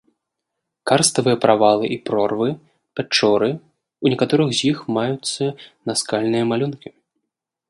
Карставыя правалы і прорвы, пячоры, у некаторых з іх маюцца наскальныя малюнкі.